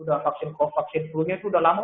udah vaksin flu nya sudah lama